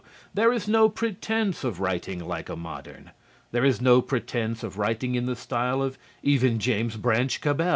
There is no pretense of writing like a modern. There is no pretense of writing in the style of even James Branch Cabell.